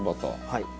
はい。